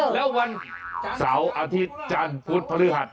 แล้ววันเสาร์อาทิตย์จันทร์พุธพฤหัส